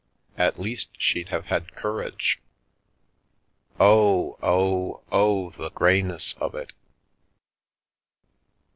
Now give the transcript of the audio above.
At least she'd have had courage. Oh, oh, oh, the grey ness of it